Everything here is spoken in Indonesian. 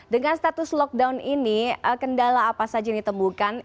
dengan status lockdown ini kendala apa saja yang ditemukan